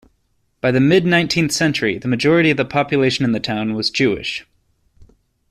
By the mid-nineteenth century the majority of the population in the town was Jewish.